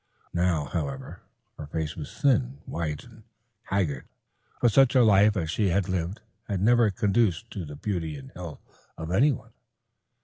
Now, however, her face was thin, white and haggard, for such a life as she had lived had never conduced to the beauty and health of any one.